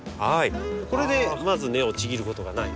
これでまず根をちぎることがないです。